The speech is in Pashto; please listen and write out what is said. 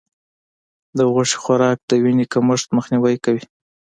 د غوښې خوراک د وینې کمښت مخنیوی کوي.